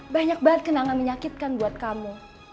banyak banget kenangan menyakitkan buat kamu